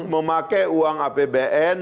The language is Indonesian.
memakai uang apbn